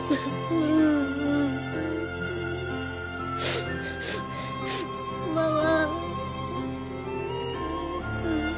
ううママ。